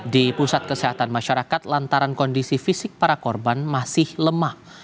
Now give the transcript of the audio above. di pusat kesehatan masyarakat lantaran kondisi fisik para korban masih lemah